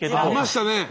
ありましたね。